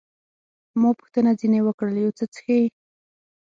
ما پوښتنه ځیني وکړل، یو څه څښئ؟